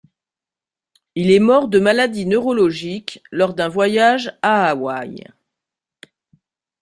Il est mort de maladie neurologique lors d'un voyage à Hawaii.